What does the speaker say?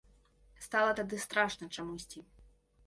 Стала тады страшна чамусьці.